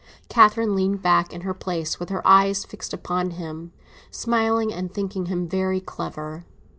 Catherine leaned back in her place, with her eyes fixed upon him, smiling and thinking him very clever.